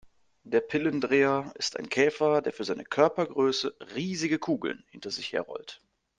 Der Pillendreher ist ein Käfer, der für seine Körpergröße riesige Kugeln hinter sich her rollt.